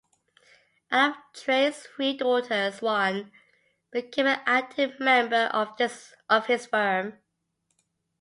Out of Train's three daughters one became an active member of his firm.